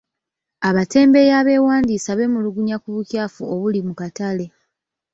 Abatembeeyi abeewandiisa beemulugunya ku bukyafu obuli mu katale.